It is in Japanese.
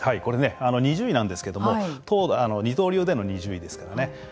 ２０位なんですけれども二刀流での２０位ですからね。